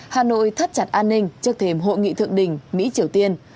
hà nội thắt chặt an ninh trước thềm hội nghị thượng đỉnh mỹ triều tiên